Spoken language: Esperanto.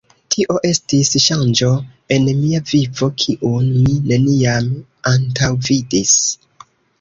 Tio estis ŝanĝo en mia vivo, kiun mi neniam antaŭvidis.